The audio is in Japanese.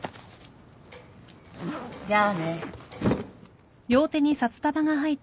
じゃあね。